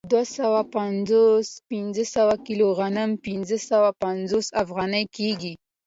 دوه سوه پنځه پنځوس کیلو غنم پنځه پنځوس افغانۍ کېږي